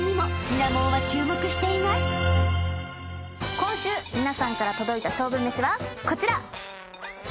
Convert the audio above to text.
今週皆さんから届いた勝負めしはこちら。